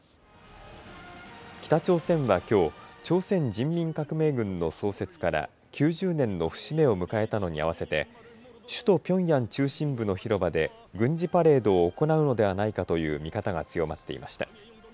北朝鮮はきょう朝鮮人民革命軍の創設から９０年の節目を迎えたのに合わせて首都ピョンヤン中心部の広場で軍事パレードを行うのではないかという見方が強まっていました。